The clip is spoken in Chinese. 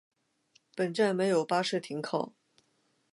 本站没有巴士停靠。